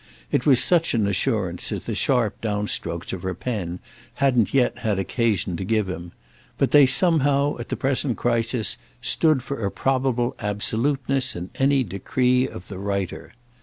It was such an assurance as the sharp downstrokes of her pen hadn't yet had occasion to give him; but they somehow at the present crisis stood for a probable absoluteness in any decree of the writer.